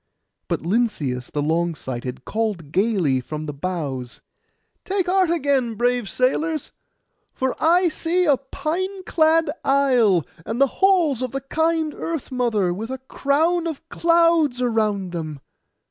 But Lynceus the long sighted called gaily from the bows, 'Take heart again, brave sailors; for I see a pine clad isle, and the halls of the kind Earth mother, with a crown of clouds around them.